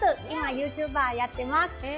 今、ユーチューバーやっています。